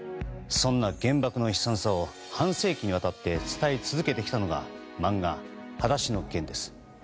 そんな原爆の悲惨さを半世紀にわたって伝え続けてきたのが漫画「はだしのゲン」です。